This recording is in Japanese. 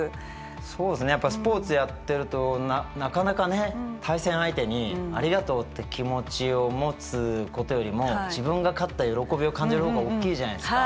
そうですねやっぱスポーツやってるとなかなかね対戦相手にありがとうって気持ちを持つことよりも自分が勝った喜びを感じる方がおっきいじゃないですか。